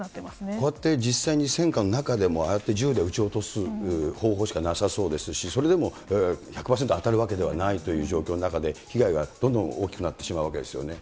こうやって実際に戦火の中でもああやって銃で撃ち落とす方法しかなさそうですし、それでも１００％当たるわけではないという状況の中で、被害がどんどん大きくなってしまうわけですよね。